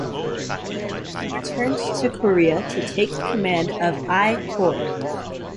He returned to Korea to take command of I Corps.